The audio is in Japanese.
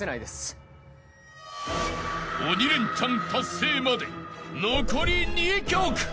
［鬼レンチャン達成まで残り２曲］